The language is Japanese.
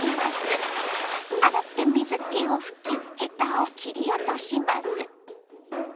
洗って水けを拭きヘタを切り落とします。